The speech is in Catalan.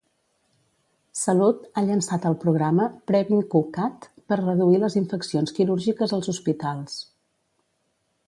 Salut ha llançat el programa PREVINQ-CAT per reduir les infeccions quirúrgiques als hospitals.